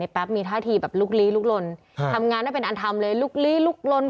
แป๊บมีท่าทีแบบลุกลี้ลุกลนทำงานไม่เป็นอันทำเลยลุกลี้ลุกลน